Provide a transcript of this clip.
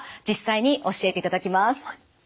実際に教えていただきます。